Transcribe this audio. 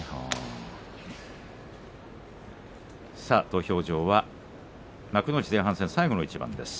土俵上は幕内前半戦最後の一番です。